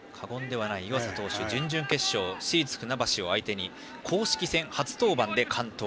湯浅投手、準々決勝市立船橋を相手に公式戦初登板で完投。